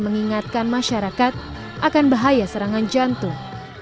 mengingatkan masyarakat akan bahaya serangan jantung